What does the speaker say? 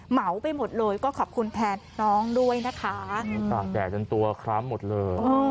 เหมาไปหมดเลยก็ขอบคุณแทนน้องด้วยนะคะตากแดดจนตัวคล้ำหมดเลย